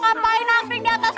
ngapain anjing diatas